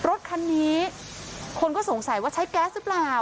รถคันนี้คนก็สงสัยว่าใช้แก๊สหรือเปล่า